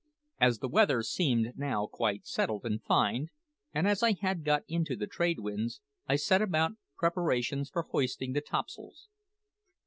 As the weather seemed now quite settled and fine, and as I had got into the trade winds, I set about preparations for hoisting the topsails.